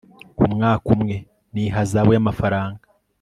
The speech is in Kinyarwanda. ku mwaka umwe n ihazabu y amafaranga